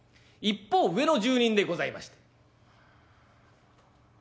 一方上の住人でございました。